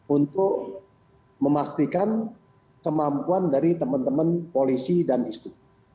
untuk memastikan kemampuan dari teman teman polisi dan istri